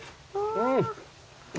うん！